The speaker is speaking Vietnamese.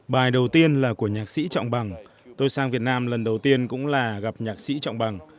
bài đầu tiên là của nhạc sĩ trọng bằng tôi sang việt nam lần đầu tiên cũng là gặp nhạc sĩ trọng bằng